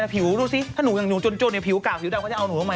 แล้วผิวดูสิถ้าหนูยังอยู่จนแล้วผิวกราบผิวดาวเขาจะเอาหนูทำไม